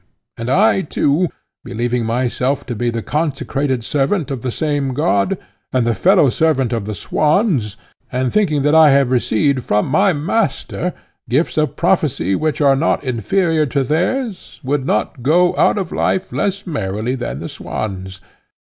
And I too, believing myself to be the consecrated servant of the same God, and the fellow servant of the swans, and thinking that I have received from my master gifts of prophecy which are not inferior to theirs, would not go out of life less merrily than the swans.